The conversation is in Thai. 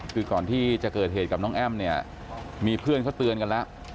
คือก่อนที่จะเกิดเหตุกับน้องแอ้มเนี่ยมีเพื่อนเขาเตือนกันแล้ว